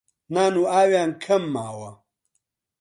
نان و ئاویان کەم ماوە